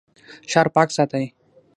ښار پاک ساتئ